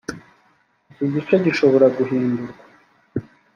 iki gice gishobora guindurwa